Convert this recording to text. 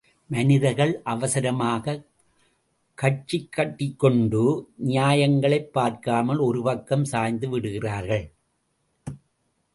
மனிதர்கள் அவசரமாகக் கட்சி கட்டிக்கொண்டு, நியாயங்களைப் பார்க்காமல் ஒரு பக்கம் சாய்ந்து விடுகிறார்கள்.